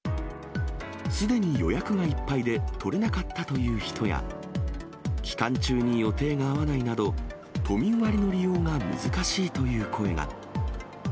すでに予約がいっぱいで取れなかったという人や、期間中に予定が合わないなど、都民割の利用が難しいという声が。